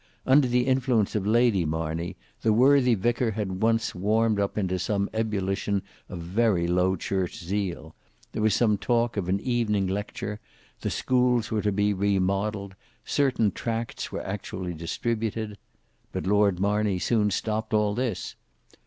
Under the influence of Lady Marney, the worthy vicar had once warmed up into some ebullition of very low church zeal; there was some talk of an evening lecture, the schools were to be remodelled, certain tracts were actually distributed. But Lord Marney soon stopped all this.